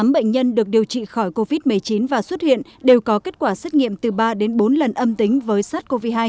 tám bệnh nhân được điều trị khỏi covid một mươi chín và xuất hiện đều có kết quả xét nghiệm từ ba đến bốn lần âm tính với sars cov hai